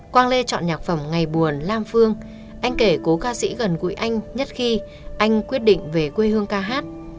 quang lê chọn nhạc phẩm ngày buồn lam phương anh kể cố ca sĩ gần gũi anh nhất khi anh quyết định về quê hương ca hát